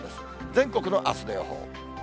全国のあすの予報。